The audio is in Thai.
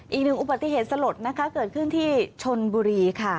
อีกอุบัติเหตุสลดเกิดขึ้นที่ชนบุรีค่ะ